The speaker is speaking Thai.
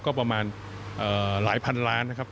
ก็ประมาณหลายพันล้านนะครับ